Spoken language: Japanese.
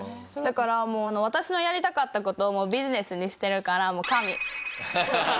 だから私のやりたかった事をビジネスにしてるから。